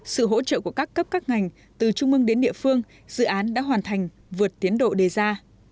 sự hỗ trợ của các cấp các ngành từ trung ương đến địa phương dự án đã hoàn thành vượt tiến độ đề ra